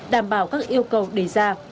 đảm bảo các yêu cầu đề ra